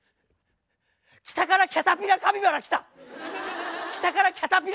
北からキャタピラカピバラ来た。